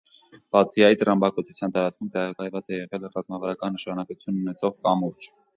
Բացի այդ՝ ռմբակոծության տարածքում տեղակայված է եղել ռազմավարական նշանակություն ունեցող կամուրջ։